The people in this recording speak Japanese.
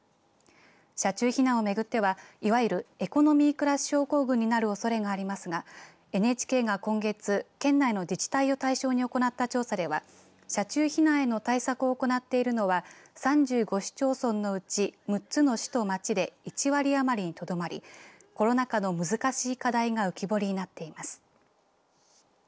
車中避難をめぐってはいわゆるエコノミークラス症候群になるおそれがありますがＮＨＫが今月、県内の自治体を対象に行った調査では車中避難への対策を行っているのは３５市町村のうち６つの市と町で１割余りにとどまりコロナ禍の難しい課題が浮き彫りになっています。